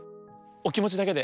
おきもちだけで。